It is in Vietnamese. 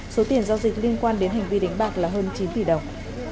số tiền giao dịch liên quan đến hành vi đánh bạc là hơn chín tỷ đồng